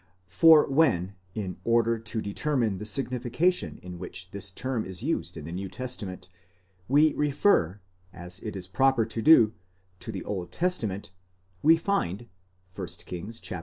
®> For when, in order to determine the signification in which this term is used in the New Testament we refer, as it is proper to do, to the Old Testament, we find (1 Kings xiii.